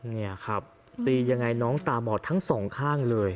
นี่ครับตียังไงน้องตาบอดทั้งสองข้างเลย